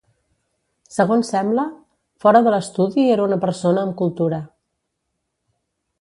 Segons sembla, fora de l'estudi era una persona amb cultura.